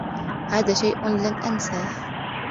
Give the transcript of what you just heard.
هذا شيء لن أنساه.